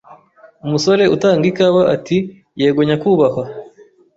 Umusore utanga ikawa ati Yego nyakubahwa